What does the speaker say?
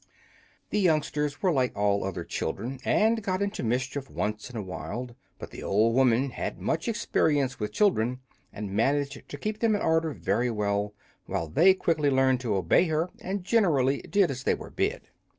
The youngsters were like all other children, and got into mischief once in awhile; but the old woman had much experience with children and managed to keep them in order very well, while they quickly learned to obey her, and generally did as they were bid.